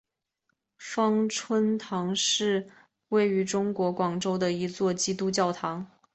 芳村堂是位于中国广州的一座基督教堂。